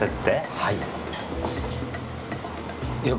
はい。